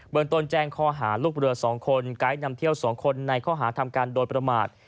เบื้องต้นแจ้งคอหาลูกเรือสองคนกายนำเที่ยวสองคนในคอหาทำการโดยประมาท